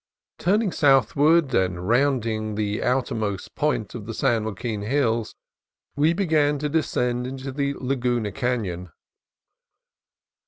Turning southward and rounding the outermost point of the San Joaquin Hills, we began to descend into the Laguna Canon.